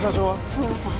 すみません